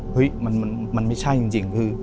เฮ้ยมันไม่ใช่จริงคือ